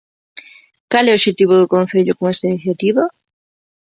Cal é o obxectivo do concello con esta iniciativa?